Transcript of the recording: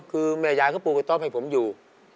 คือแม่ยายก็ปลูกกระต๊อบให้ผมอยู่